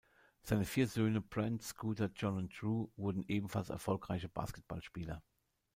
Seine vier Söhne Brent, Scooter, Jon und Drew wurden ebenfalls erfolgreiche Basketballspieler.